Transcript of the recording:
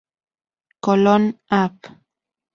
Colon- Av.